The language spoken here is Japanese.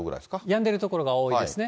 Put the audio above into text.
やんでる所が多いですね。